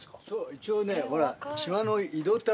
一応ねほら。